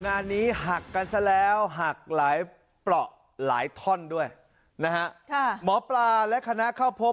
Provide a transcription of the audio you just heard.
งานนี้หักกันซะแล้วหักหลายเปราะหลายท่อนด้วยนะฮะค่ะหมอปลาและคณะเข้าพบ